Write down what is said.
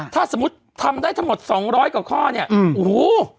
ถ้าสมมุติทำได้ทั้งหมดสองร้อยกว่าข้อเนี่ยโอ้โห